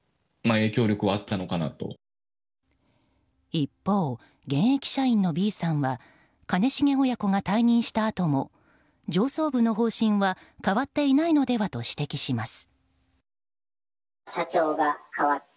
一方、現役社員のＢさんは兼重親子が退任したあとも上層部の方針は変わっていないのではと指摘します。